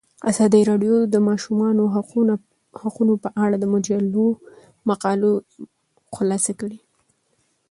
ازادي راډیو د د ماشومانو حقونه په اړه د مجلو مقالو خلاصه کړې.